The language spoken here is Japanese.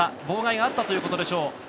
妨害があったということでしょう。